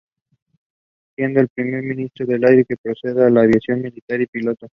Siendo el primer Ministro del Aire que procedía de la Aviación Militar y piloto.